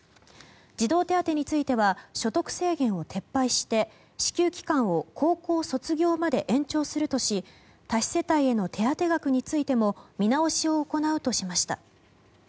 児童手当については所得制限を撤廃して支給期間を高校卒業まで延長するとし多子世帯への手当額についても見直しを行うとしました。